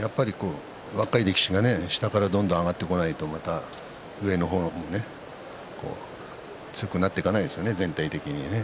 若い力士が下からどんどん上がってこないと上の方も強くなっていかないですよね、全体的に。